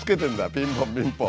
ピンポンピンポン！